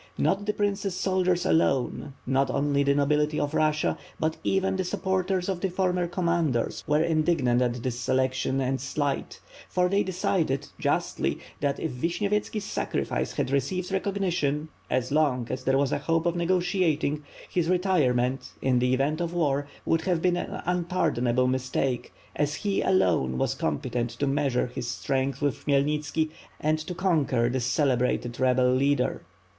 Not the Prince's soldiers alone, not only the nobility of Russia, but even the supporters of the former Commanders were indignant at this selection and slight; for they decided, justly, that, if Vish nyovyetski's sacrifice had received recognition, as long as there was a hope of negotiating; his retirement, in the event of war, would have been an unpardonable mistake, as he, alone, was competent to measure his strength with Khmy elnitski and to conquer this celebrated rebel leader.